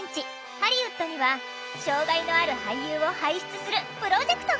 ハリウッドには障害のある俳優を輩出するプロジェクトが！